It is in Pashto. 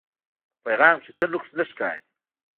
پۀ پېغام کښې څۀ نقص نۀ ښکاري